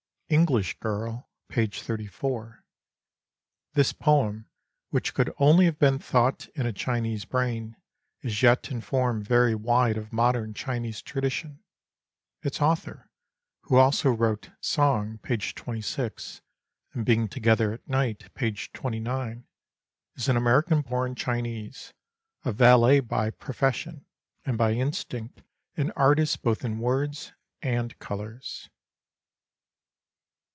English Girl (p. 34). This poem, which could only have been thought in a Chinese brain, is yet in form very wide of modern Chinese tradition. Its author, who also wrote Song (p. 26) and Being Together at Night (p. 29), is an American born Chinese, a valet by profession, and by instinct an artist both in words and colours.